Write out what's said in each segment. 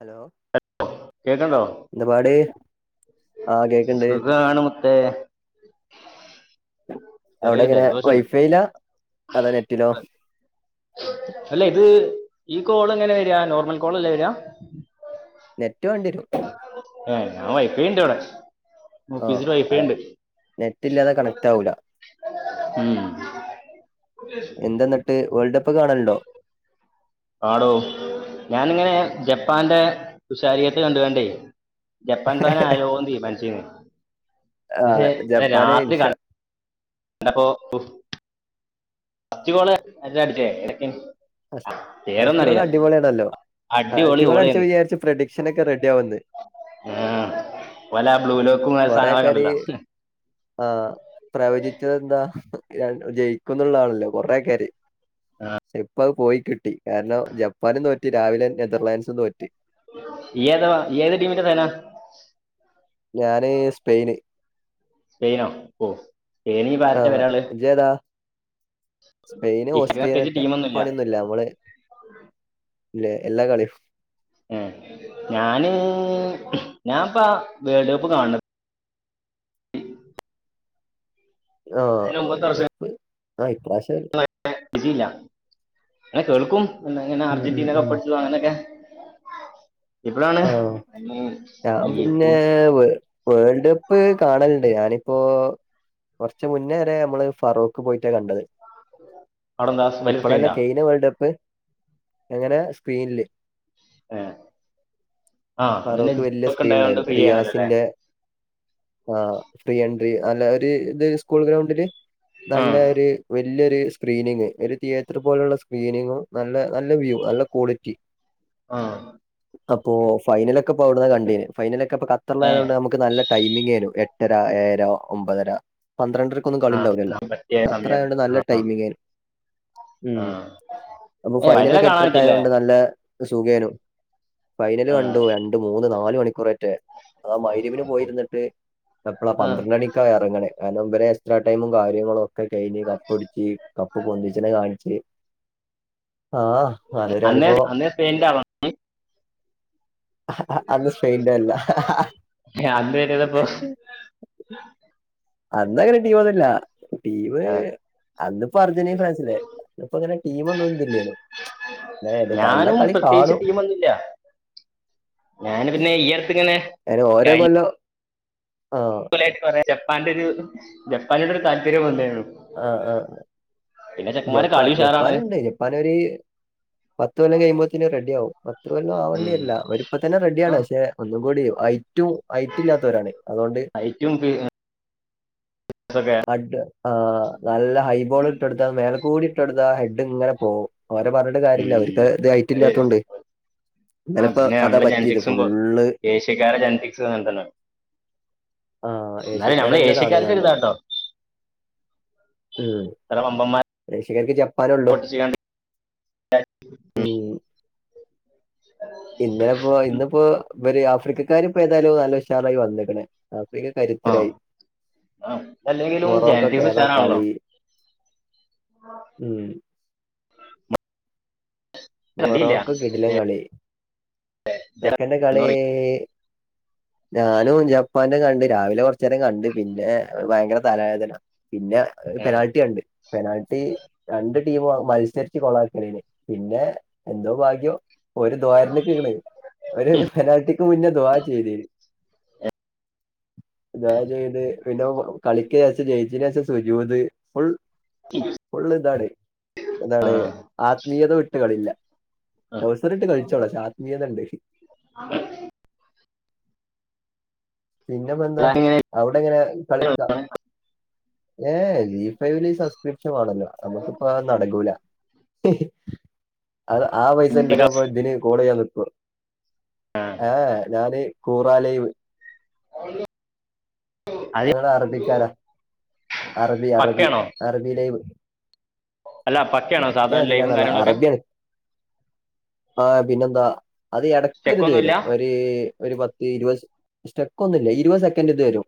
Hello കേക്കണ്ടോ എന്തപാട്. സുഖാണ് മുത്തേ. ചെറിയൊരു അവടെങ്ങനെ ജലദോഷണ്ട് വൈഫൈയിലാ അതോ നെറ്റിലോ? അല്ല ഇത് ഈ കോള് എങ്ങനെ വര നോർമൽ കോൾ അല്ലേ വരാ. നെറ്റ് വണ്ടിരും. ഏഹ് ഞാൻ വൈഫൈണ്ട് ഇവടെ ആ ഓഫിസില് ആ, വൈഫൈണ്ട്. നെറ്റ് ഇല്ലാതെ കണക്റ്റ് ആവൂല ഉം ട്ട് വേൾഡ് കപ്പ് കാണാലുണ്ടോ? ആടോ ഞാനിങ്ങനെ ജപ്പാന്റെ തുഷാരിയത്ത് കണ്ടുങ്ങണ്ടേ? Japan fan ആയാലോന്ന് തീരുമാനിച്ചേന്ന്. ആ പക്ഷെ ജപ്പാന് രാത്രി ക ഇൻഷാ അപ്പോ അഞ്ചുഗോള് അല്ലേ അടിച്ചേ എടക്കെ ഫസ് ഫസ്റ്റ് ഗോള് അടിപൊളിയണല്ലോ? അടിപൊളി ആദ്യത്തെ ഗോൾ അടിച്ചപ്പോ കോളേന്ന് വിചാരിച്ച് പ്രഡിക്ഷൻ ഒക്കെ റെഡിയാവുന്ന്. ഉം ഒല ബ്ലൂ ലോക്കുംങ്ങനെ സാധനങ്ങളൊക്കെണ്ടല്ലോ ആഹ് പ്രവചിച്ചതെന്താ ജയിക്കുന്നുള്ളതാണല്ലോ കൊറേക്കാര്. ആഹ് അത് പോയി കിട്ടി കാരണം ജപ്പാനും തോറ്റ് രാവിലെ നെതർലാൻഡ്സും തോറ്റ്. ഈയെതാ ഈയ് ഏത് ടീമിന്റെ ഫാനാ. ഞാന് സ്പെയിന്. സ്പെയിനോ ഓ സ്പെയിനി ഈ ആരൊക്കെവരളത്. സ്പെയിൻ ഓസ്ട്രിയ പ്രത്യേകിച്ച് ടീമൊന്നുമില്ല പണിയൊന്നുമല്ല നമ്മള് ഇല്ലെ എല്ലാ കളിയും. ഞൻ ഞാനിപ്പ വേൾഡ് കപ്പ് കാണം [inaudible] ആ അതിന് മുമ്പത്തെ വേൾഡ് വർഷം കപ്പ് ആ ഇപ്രാവശ്യം. അങ്ങനെ ചില്ല എന്നനെ കേൾക്കും. പിന്നെ ഇങ്ങനെ ഉം ഉം ഉം അർജന്റീനെപ്പടിച്ചു അങ്ങനെയൊക്കെ. ഇപ്പോഴാണ് ആഹ ഞാൻ ഈ പിന്നെ ഫുഡ് വേൾഡ് കപ്പ് കാണലുണ്ട് ഞാനിപ്പോ കുറച്ച മുന്നേരെ നമ്മള് ഫാറൂക്ക് പോയിട്ടാണ് കണ്ടത്. അവിടെ എന്താ വലിയ സ്ക്രീൻ ഇപ്പോളല്ല ഉണ്ടാ കെയിങ്ങ വേൾഡ് കപ്പ് എങ്ങനെ സ്ക്രീനില്. ആഹ് ഫാറോക്ക് വലിയ സ്ക്രീൻ ഉണ്ടായിരുന്നു. അല്ലേ റിയാസിന്റെ ആ ഫ്രീ എൻട്രി നല്ല ഒരു ഇത് സ്കൂൾ ഗ്രൗണ്ടില്. ആ നല്ല ഒര് വലിയൊരു സ്ക്രീനിങ് ഒരു തിയേറ്റർ പോലുള്ള സ്ക്രീനിങ്ങും. നല്ല നല്ല വ്യൂ നല്ല ക്വാളിറ്റി. ആഹ് അപ്പോ ഫൈനലൊക്കെപ്പോഅവിടുന്ന കണ്ടീനി. ഫൈനലൊക്കെപ്പൊ ഏ കത്തറിലായതോണ്ട് നമ്മക്ക് നല്ല ടൈമിംഗേനു എട്ടര ഏഴര ഒമ്പതര പന്ത്രണ്ടര ക്കൊന്നും ആ കളിണ്ടാവല്ല കാണാൻ പറ്റിയ സമയമാണ് ഖത്തറായോണ്ട് നല്ല ആ ടൈമിങ്ങേനു ആ ഉം അപ്പൊ ഏ ഫൈനലൊക്കെ കാണാൻ പറ്റില്ലേ എട്ടരക്കായോണ്ട് നല്ല സുഗേനും ഫൈനല് ആ കണ്ടു രണ്ട് മൂന്ന് നാല്മണിക്കൂററ്റേ അതാ മയ്റിബിനു പോയിരുന്നിട്ട് എപ്പളാ ആ പന്ത്രണ്ടണി ക്ക എറങ്ങണേ, കാരണം ഇവരെ എക്സ്ട്രാ ടൈമും കാര്യങ്ങളും ഒക്കെ കയ്ഞ് കപ്പൊടിച്ച് കപ്പ് പൊന്തിച്ചനെ കാണിച്ച് ആഹ് അതൊരു അന്നേ അനുഭവം അന്നേ സ്പെയിന്റ് ആളാ അന്ന് സ്‌പെയ്‌ന്റെല്ല അന്ന് വരുന്നപ്പോ അന്നങ്ങനെ ടീമൊന്നുല്ല ടീമ് അന്നിപ്പോ അർജന്റീൻ ഫ്രാൻസല്ലേ അപ്പോ അങ്ങനെ ടീമന്നുംന്നും ഇല്ലേനു ഇത എല്ലാം കളി കാണും വന്നില്ല ഞാന് പിന്നെ ഈഎടക്ക്‌ങ്ങനെ അയന് ഓരോ കൊല്ലം ആഹ് ന്താ അയ്‌ന് പറ്യ ജപ്പാന്റെരു ജപ്പാനന്റെ ഒരു താല്പര്യംവന്നരുന്നു ആഹ് ആഹ് ജപ്പാൻ കളി ഉഷാറാണ് ജപ്പാന്ണ്ട് പനൊരു പത്തു കൊല്ലം കയ്യുമ്പോത്തിന് റെഡി ആകും പത്ത് കൊല്ലം ഉം. ആവണ്ടിര്ല്ല. ഒരിപ്പ ന്നെ റെഡിയാ ആ ണ്. പക്ഷെ ഒന്നും കൂടി ഹൈറ്റും ഹൈറ്റ് ഇല്ലാത്തവരാണ് അതോണ്ട് സക്ക ഹഡ് ആ് നല്ല ഹൈബോൾ ഇട്ടൊട്ത്താ മേലക്കൂടി ഇട്ടൊടുത്താ ഹെഡ്ങ്ങനെ പോകും ഓരെ പറഞ്ഞിട്ട് കാര്യല്ല. ഉം. ഓര്ക്ക് ഇത് അത് ഹൈറ്റ്ല്ലാത്തൊണ്ട് ആ പിന്നെ നമ്മളെ ജനറ്റിക്സും കൊ ഫുള്ള് ഏഷ്യക്കാരെ ജനറ്റക്സ് അങ്ങൻതന്നെ ആ ന്നാലും നഞമ്മള ഏഷ്യക്കാരന്നെ താന്ന് ഏഷ്യക്കാര്ക്കൊരി കണ്ടത് താട്ടോ ഉം ഏഷ്യക്കാർക്ക് ജപ്പാനൊള്ളൂ ഇയാണ്ട് ഉം ഇന്നലെപ്പോ ഇന്നിപ്പോ വര് ആഫ്രിക്കക്കാർ ഇപ്പോ ഏതായാലും നല്ലുഷാറായി വന്ന്ക്ക്‌ണ് ആഫ്രിക്ക ആ കരുത്തരായി. ആ. അതല്ലെങ്കിലും ജനറ്റിക്സ് മൊറോക്കൊക്കേതാ ഉഷാറാണല്ലോ കളി ഉം കണ്ടില്ല മൊറോക്ക കിടിലൻ മറ്റേ കളി ജ- ക്കന്റെ കളി എന്ന് പറയും. ഞാനും ജപ്പാന്റെ കണ്ട് രാവിലെ കൊർ ച്ചേരം കണ്ട് പിന്നെ ഭയങ്കര തലവേദന പിന്നെ ഏ. പെനാൾട്ടി കണ്ട് പെനാൽറ്റി രണ്ട് ടീമും മത്സരിച്ചു കൊളാക്കലെനി പിന്നെ എന്തോ ഭാഗ്യം. ഒരു ദോരന്നക്ക്ണ് ഒരു പെനാൾറ്റിക്ക് മുന്നേ ദുആ ചെയ്ദീനി [unintelligible] ദുആ ചെയ്ത് പിന്നെ കളിക്ക്‌ ശേഷം ജയിച്ചേനേഷം സുജുദ് ഫുൾ ഫുൾ ഇതാണ്. എന്താണ് ആത്മീയത വിട്ടുകളില്ല ടൗസറിട്ട് കളിച്ചോള്ളു പക്ഷെ ആത്മീയതണ്ട് [unintelligible] പിന്നെപ്പന്താ ഔടെങ്ങനെ കളിക്ക ഏഹ ജി ഫൈവില് സബ്സ്ക്രിപ്ഷൻ വാണല്ലോ നമുക്കിപ്പ അത നടക്കൂല അത് ആ പൈസ ണ്ടൊക്കെപ്പ ദിന് കോളെയ്യാൻ ഞാൻ നിക്കോ ഏഹ് ഞാന് കൂറാലൈവ് [unintelligible] അത് ഞങ്ങള അറബിക്കാരാ അറബി അറബി പക്കയാണോ അറബിയിലൈവ് അല്ല പക്കയാണോ മറ്റേ സാധാരണ അറീലാ ലൈവും നല്ല കാര്യങ്ങളൊക്കെ അറബിയാണ് ആഹ് പിന്നെന്താ അത് ഇടക്കരുത് ചെക്കൊന്നുമില്ല വരും ത് ഒരു പത്ത് ഇരുപത് സ്റ്റെക്ക് ഒന്നുംല്ല ഇരുപത് സെക്കൻഡ് ഇത് തരും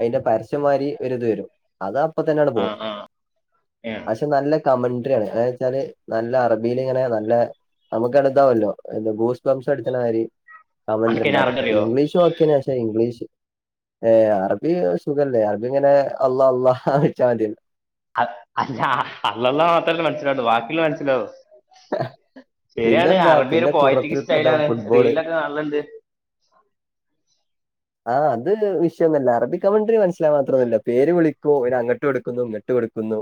അയ്ന്റെ പരസ്യം മാരി ഒരിത് വരും അത അപ്പ തന്നെട് ആ പോവു ആ ഏ പക്ഷെ നല്ല കമന്റ് ത്ര്യാണ് വച്ചാല് നല്ല അറബിയില് ഇങ്ങനെ നല്ല നമുക്ക്ടുത്താവല്ലോ എ ബൂസ് ബംസ് എടുതണാര് കാമന്റ് അനക്കിനെ ണ്ടാവും അറിഞ്ഞറിയോ ഇംഗ്ലീഷ് ഒക്കേണ് പ ക്ഷെ ഇംഗ്ലീഷ് ഏഹ് അറബി സുഖല്ലേ അറബി ങ്ങനെ അള്ളാ അള്ളാന്ന് ച്ചാൻ മതിയല്ല [unintelligible] അഹ് അല്ലാ അള്ളള്ള മാത്രല്ലേ മൻസിലാഉള്ളൂ വാക്കിള്ളെ മൻസിലാഓ ശരിയാണ് പിന്നെന്താ അറബി ഒരു പിന്നെ പോയറ്റിക് കുറത്തിൽ കഥ സ്റ്റൈലാണ് ഫുട്ബോള് റീലൊക്കെ കാൺല്ലണ്ട് ആഹ് അത് വിഷയൊന്നല്ല അറബി കമണ്ട്രി മനസ്സിലാൻ മാത്രല്ല പേര് വിളിക്കു ഒരു അങ്ങട്ടുടുക്കുന്നു ങ്ങട്ട് ട്ട് കൊടുക്കുന്നു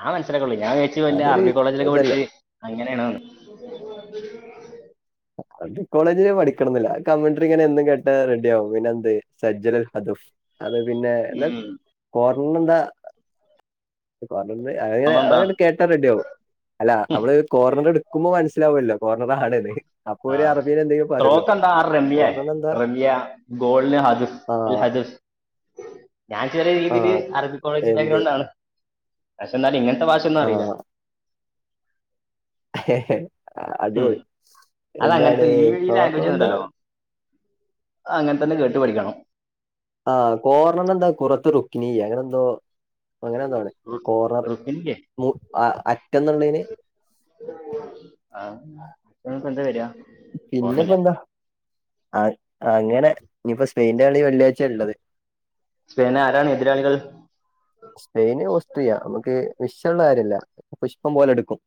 ആഹ് മനസ്സൂനൊക്കെള്ളു ഞാൻ വിചാരിച്ചു വല്ല അതൊരു അറബി കോളേജ്ലോക്കെ ഇതല്ലേ പട്ച്ച് അങ്ങനെണ് [unintelligible] അത് കോളേജില് പഠിക്കണംന്ന്ല്ല കമ്മ്യൂണ്ടറി ങ്ങനെ എന്നും കേട്ടാ റെഡി ആവു പിന്നെ എന്ത് സജ്ജദ് അദഫ് അത് പിന്നെ എന്താ കോർണർ എന്താ പറീന്നെ അഹ്ങ്ങനെ ഉം എന്താ അഎണ്ട് കേട്ടാ റെഡി ആവു അല്ല അമ്മള് കോർണർ എടുക്കുമ്പോ മനസ്സിലാവൊല്ലോ കോർണർ ആണ്ന്ന് അപ്പൊ ആ ഒരു അറബീലെന്തെങ്കിലും പറ്യല്ലോ സ്ട്രോക്ക് എന്താ ആ റമ്യ ഓർണറെന്താ റമ്യ ഗോളിന് ഹദഫ് അൽ ആഹ് ഹദഫ് ഞാൻ ചെല രീതിയിയില് ആഹ് അറബി കോളേജ് എന്ത് ബാക്ക്ഗ്രൗണ്ട് ആണ് പക്ഷ ന്നാലും ഇങ്ങൻത്തെ ബാഷൊന്നും അറിയില്ല ആഹ് കെ ഹെ ഉം അടിപൊളി അത് അങ്ങനത്തെ എന്താണ് ഈ ഈ കാരണന്താ അങ്ങൻതന്നെ കേട്ടു പഠിക്കണം ആഹ് കോർണറെന്താ കുറത്ത് റുക്കിനിയ അങ്ങനെന്തോ അങ്ങനെന്തോ ആണ് കോർണർ റുക്കിനില്ലേ മു അ അറ്റെന്നുള്ളയ്ന് ആഹ് പിന്നെപ്പെന്താ ആഹ് അങ്ങനെ ഇനിയിപ്പോ സ്പെയിൻന്റെ കളി വെള്ളിയാഴ്ച ള്ളത് സ്പേന ആരാണ് എതിരാളികൾ സ്പെയിന് ഓസ്ട്രിയ നമുക്ക് വിഷള്ള കാര്യല്ല പുഷ്പം പോലെ എടുക്കും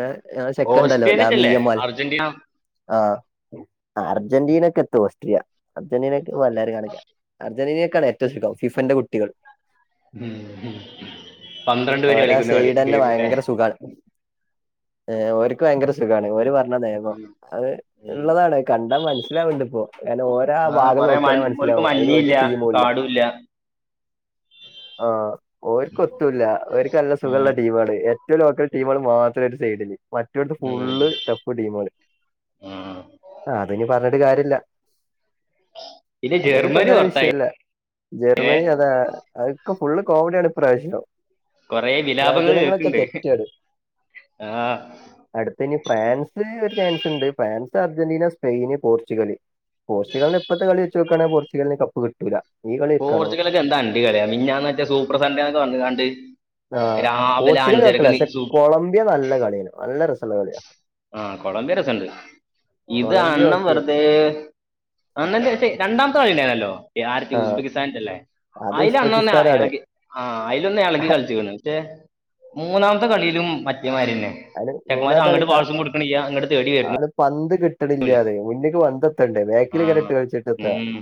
എഹ് എഹ് സെക്കൻണ്ടല്ലോ ഓസ്ട്രേലിയറ്റല്ലേ ലാമിയൻമാര് അർജന്റീന ആഹ് അർജന്റീനക്കെത് ഓസ്ട്രിയ അർജന്റീനക്ക് വല്ലരും കാണിക്ക അർജന്റീനക്കാണ് ഏറ്റവും സുഖും ഫിഫന്റെ കുട്ടികൾ ഉം ഒരാ സൈഡന്നെ ഭയങ്കര സുഖാണ് എഹ് ഓര്ക്ക് ഭയങ്കര സുഗാണ്. ഓല് പർ ണ നെയമ്മം അത്. ള്ളതാണ് കണ്ടാ മനസ്സിലാവ്ണ്ട്പ്പോ കാരണം ഓരാ ആ ഭാഗം നോക്കാണെങ്കി മനസ്സിലാവും അയല് ഒരു ടീമുല്ല. ന്നുല്ല. ആഹ് ഓര്ക്ക്ത്തുല്ല ഒര്ക്കല്ല ഉം. സുഖള്ള ടീമാണ്. എ ഏറ്റവും ലോക്കൽ ടീമാണ് മാത്ര ഒരു സൈഡില് മട്ടോൽത് ഉം. ഫുള്ള് ട്ടഫ് ടീമാണ്. ഉം. ആത്ഞ്ഞി പറഞ്ഞിട്ട് കാര്യല്ല പിന്നെ നമുക്കിപ്പ ജർമ്മനി എന്താല് പുറത്തായി വിഷയല്ല. ജർമ്മനി അതാ അതൊക്കെ ഫുള്ള് കോമഡിയാണ് ഇ പ്രാവശ്യം. കൊറെ വിലാപങ്ങൾ കേക്കണ്ട് ആഹ. അടുത്ത ഇനി ഫ്രാൻസ് ഒരു ചാൻസ് ഉണ്ട് ഫ്രാൻസ് അർജന്റീന സ്പെയിന് പോർച്ചുഗല്. പോർച്ചുകലിന് ഇപ്പോഴത്തെ കളി വെച്നോക്കണെങ്കി പോർച്ചുകല്ലിന് കപ്പ് കിട്ടൂല. ഈ കളി ! വെക്കുകയാണെങ്കിൽ ! ! ! ! ! ! ! ! ! ആ പോർച്ചുഗൽ വെക്കല പക്ഷെ കൊളംബിയ നല്ല കളിയാണ് നല്ല രസള്ള കളിയാ. ആഹ കൊളമ്പിയരസണ്ട് ഇത് കൊളംബിയ അണ്ണൻ ഓക്കെ വെറുതെ. അണ്ണൻ ചെലപ്പോ രണ്ടാമത്തെ കളിണ്ടായിരുന്നല്ലോ ആ ഉസ്പാകിസ്താ നേറ്റല്ലേ. അത് അയിൽ അണ്ണ ഒന്ന് ഉസ്ബെക്കിസ്ഥാനാണ് ഇളകി ആ അയിലൊന്ന് ഇളകി കളിച്ക്ണ് പക്ഷേ. മൂന്നാമത്തെ കളിയിലും മറ്റേമാര്യന്നെ അതിന് ചെക്കന്മാര് മൂന്നാമത്തെ അങ്ങട്ട് കളിക്കാ പാഴ്സും കൊടുക്ണിയ്യാ ഇങ്ങട്ട് തേടി വരുന്നു ആള് പന്ത് കിട്ടണില്ലാതെ മുന്ക്ക് പ ആ ബേകില് ങ്ങനെ ഇട്ട് കളിച്ചിട്ടെന്താ ഉം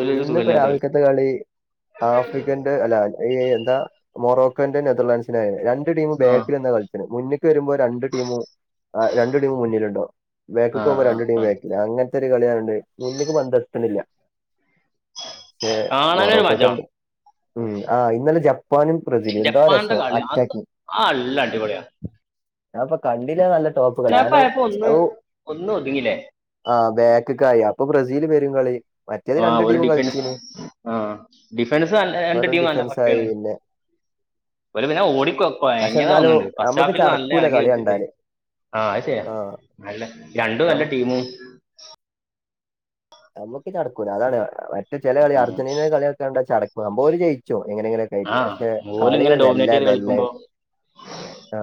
ഒരു ഇന്പ്പൊ സുഖമില്ലാത്ത രാവി ന്നത്തെ കളി ആഫ്രിക്കൻ. അല്ല ഈ എന്താ മൊറോക്കോന്റെ നെതർലാൻസിനെ രണ്ട് ടീം ആ ബേക്കില് ന്നാകള് മുന്ക്ക് വരുമ്പോ രണ്ട്. ടീമും രണ്ടു ടീമും മുന്നിലുണ്ടോ ആ ബേക്കുക്ക് പോകുമ്പോ ആ രണ്ടു രണ്ട് ടീ ആ ബേക് അങ്ങന. ഒത്തിരി കളിയാണ് മുന്ക്ക് പന്ത് എത്‌ണില്ല. പക്ഷേ കാണാനൊരു മൊറോക്കൊക്കെ മാറ്റമാണ് എന്ത്. ഉം ആഹ ഇന്നലെ ജപ്പാനും ബ്രസീലും എന്താ ജപ്പാന്റെ രസോ കളി അത് അറ്റാകിങ്. ആ അല്ലടിപൊളിയ. ഞാൻപോ കണ്ടില്ല നല്ല ടോപ്പ്. കളി കാരണം പോയപ്പോ ഒന്ന് ഒന്ന് ഒതുങ്ങില്ലേ? ആഹ് ബേക്ക്കായി അപ്പൊ ബ്രസീല് പെരും കളി മറ്റേത് രണ്ടു ടീമും കളിച്ചീന്. ആഹ ഡിഫൻസ് രണ്ട് ടീം നല്ല ഡിഫൻസ് ആയി പക്കേണ്. പിന്നെ ഒരു പിന്നെ പക്ഷെ ഓടികൊയങ്ങി എന്നാലും തോന്നുന്നുണ്ട്. ഫസ്റ്റ് നമുക്ക് ഹാഫിൽ നല്ല ചടക്കൂല ഇളകി കളി വെച്ചിട്ടേ കണ്ടാല് ആഹ അത് ശെരിയ്യാ ആ നല്ല രണ്ടും നല്ല നം- ടീമും. നമ്മുക്ക് ചടക്കൂല്ല അതാണ് മറ്റെ ചെല കളി ഉം. അർജന്റീനയുടെ കളിയൊക്കെ കണ്ടാ ചടക്കും ഓല് ജയിച്ചിം എങ്ങനെങ്കിലും. ആ പക്ഷെ ഓല് കളി ഇങ്ങനെ ഡോമിനേറ്റ് മെല്ലെ ചെയ്ത് മെല്ലെ. കളിക്കുമ്പോ ആ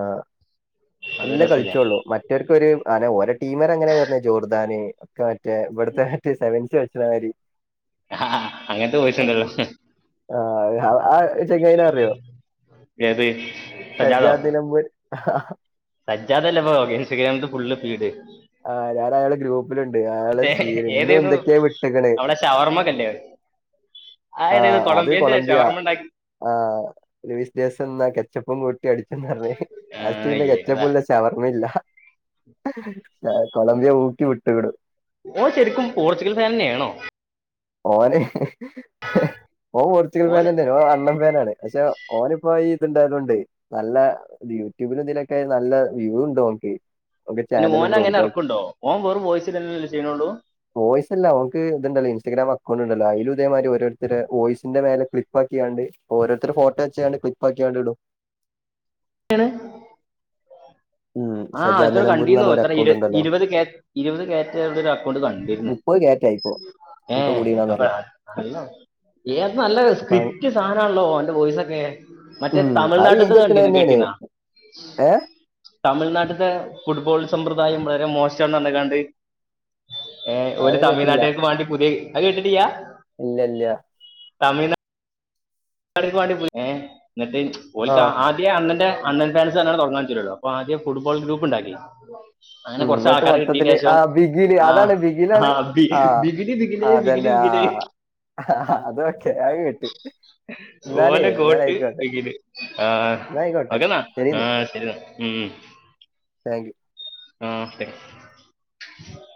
അത് മെല്ലെ രസമില്ല കളിച്ചോള്ളൂ മ മട്ടോർക് ഒര് അങ്ങനെ ഓരെ ട്ടിമേര്അങ്ങനെ വർനെത്‌ ജോർദാന് ഒക്കെ മറ്റേ ഇവിടുത്തെ. [unintelligible] വെച്ച മാരി. ആ അങ്ങൻത്തെ വോയിസുണ്ടല്ലോ. ആഹഹവാ. ആ ചെങ്ങായിനെ അറിയോ ഏത് സജ്ജാദ് നമ്പുരി ആഹ്‌ ആഹാ. സജ്ജതല്ലെ ഇപ്പൊ ഇൻസ് റ്റോഗ്രാമ്തെ ഫുള് ഫീഡ്. ആഹ് ഞാനയാളെ ഗ്രൂപ്പ്. പ്പില്ണ്ട് അയാള് സീന് ഇന്നും ഏതേന്നു എന്തൊക്കെ വിട്ട്ക്ണ്. അവിടെ ഷവർമ്മക്കല്ലേ ആ ഏതേത് അത് കൊളംബിയന്റെ കൊളംബിയ ഷവർമ്മ ഉണ്ടാക്കി ആ ലിവിസ്റ്റെശേന്ൻന്നാ കെച്ചപ്പും കൂട്ടി. കൂട്ടി അടിച്ചെന്ന് പറഞ്ഞ് ആ പിന്നെ ഏതാ കെച്ചപുല്ല. ഷവർമെമില്ല കൊളമ്പിയ ഊക്കി വിട്ടുകുണു. ഓ ശരിക്കും പോർച്ചുഗൽ ഫേൻ തന്നെയാണോ. ഓന്ന്‌ ഓ പോർച്ചുഗൽ ഓന് ഫേനെന്നെ ഓൻ അണ്ണൻ ഫേനാണ്. പക്ഷെ ഓനിപ്പോ ഇത്ണ്ടായതോണ്ടേയ് നല്ല. യൂട്യൂബിൽ ഇതിലൊക്കെ നല്ല വ്യൂ ഉണ്ടോ നിനക്ക് ഇനി ഓന അങ്ങനെ ഇറക്കുണ്ടോ ഓൻ വറും വോയിസ്ല്ലേ ചെയ്യണോണ്ടോ [unintelligible] വോയിസല്ല ഓൻക്ക് ഇത്ണ്ടല്ല ഇസ്റ്റഗ്രാം അക്കൗണ്ട്ണ്ടല്ലോ അയിലും ഇതേമാതിരി ഓരുരുത്തരെ വോയിസിന്റെ മേലെ ക്ലിപ്പാക്കിയാണ്ട് ഓരോരുത്തരെ ഫോട്ടോവെച്ചകണ്ട് ക്ലി പ്പാക്കിഅങ്ങടിടും ഏണ് [unintelligible] [inaudible] ആഹ് സജാദ് അത്ര നിലമ്പൂർന്ന് കണ്ടീന്നു പറഞ്ഞ ഒരു എത്ര അക്കൗണ്ട് ഉണ്ടല്ലോ ഇരുപത് ഇരുപത് കെറ്റടെ ഒരു അക്കൗണ്ട് കണ്ടിരുന്നു മുപ്പത് കെറ്റാ ആയിപ്പോ ഏ അപ്പ ഹ [unintelligible] ഏത് നല്ല അപ്പൊ സ്ക്രിപ്റ്റ് സാധനമാണല്ലോ ഓന്റെ വോയിസ്സൊക്കെ മറ്റേ ഉം തമിഴ്നാട്ടത്ത് കണ്ട കേട്ടീനാ ഹേ തമിഴ്നാട്ടിലത്തെ ഫുട്ബോൾ സമ്പ്രദായം വളരെ മോശമാണ പറന്ന്ക്കാണ്ട് ഏയ് ഒരു അത് കേട്ടില്ല തമിഴ്നാട്ടിലേക്ക് വേണ്ടി പുതിയ അത് കേട്ടിട്ട്ല്ല്യ ഇല്ല ഇല്ല തമിഴ് [unintelligible] എന്നിട്ട് ഓൽക്ക് ആഹ് ആദ്യ അ അണ്ണന്റെ അണ്ണൻ ഫാൻസ്ന്നാണ് തുടങ്ങാൻ പറ്റൂലല്ലോ അപ്പ ആദ്യ ഫുട്ബോൾ ഗ്രൂപ്പ് ഉണ്ടാക്കി അങ്ങനെ ഉം കൊറച്ച എന്നിട്ട് ആൾക്കാർ കിട്ടീൻ്റെ മൊത്തത്തില് ശേഷം ആ ബിഗില് ആ അതാണ് ബിഗിലാണ് ഇ ആഹ് ബിഗിലെ ബിഗിലെ ബിഗില് ബിഗില് ആ അത് ഓക്കെ ആത് കേട്ട് എന്നാലേ ഓലെ ഗോട്ട് എന്നാലയിക്കോട്ടെ ബിഗില് ആഹ് എന്നാ ആയിക്കോട്ടെ ഒക്കെന്ന ശരിന്നാ ആഹ് ശരിന്നാ ഉം താങ് യു ആഹ് തെ